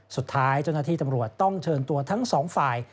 สุดท้ายเจ้าหน้าที่ตำรวจต้องเชิญตัวทั้งสองฝ่าย